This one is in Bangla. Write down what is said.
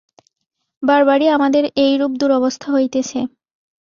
বার-বারই আমাদের এইরূপ দুরবস্থা হইতেছে।